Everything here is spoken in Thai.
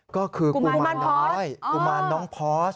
ก็คือกุมารน้อยกุมารน้องพอส